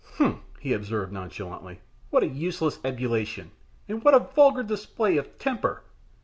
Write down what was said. "Humph!" he observed, nonchalantly. "What a useless ebullition, and what a vulgar display of temper!